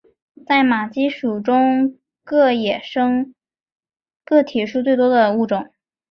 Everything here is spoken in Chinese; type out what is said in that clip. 在马鸡属中个野生个体数最多的物种。